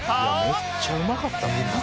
「めっちゃうまかったみんな」